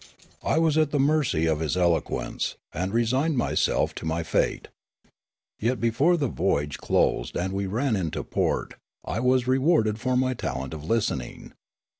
I was at the mercy of his eloquence, and resigned myself to my fate. Yet before the voyage closed and we ran into port I was rewarded for my talent of listening.